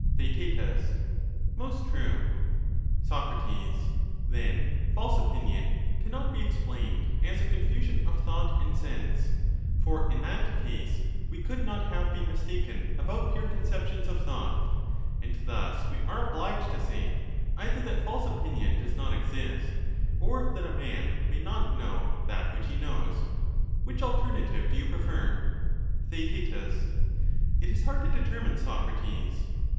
Theaet, Most true. Sac. Then false opinion cannot be explained as a < of thought and sense, for in that case we could been mistaken about pure conceptions of thought ; and thus that false we are obliged to say, either that false opinion does not opinion exist, or that a man may not know that which he knows ;— exist, or that which alternative do you prefer ? a man may Theaet. It is hard to determine, Socrates.